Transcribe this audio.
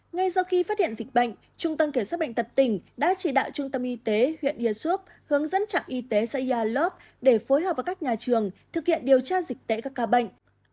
ngay sau khi phát hiện dịch bệnh trung tâm kiểm soát bệnh tật tỉnh đã chỉ đạo trung tâm y tế huyện yên xuốp hướng dẫn trạm y tế xã yalov để phối hợp với các nhà trường thực hiện điều tra dịch tễ các ca bệnh